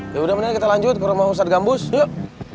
yaudah meneh kita lanjut ke rumah ustadz gambus yuk